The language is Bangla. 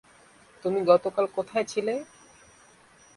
তুমি গতকাল কোথায় ছিলে?